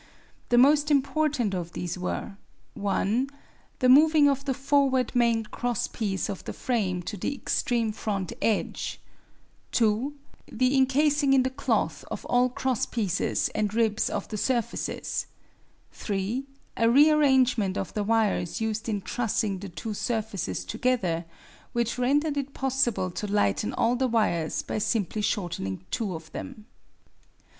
The most important of these were: (1) The moving of the forward main cross piece of the frame to the extreme front edge; (2) the encasing in the cloth of all cross pieces and ribs of the surfaces; (3) a rearrangement of the wires used in trussing the two surfaces together, which rendered it possible to tighten all the wires by simply shortening two of them.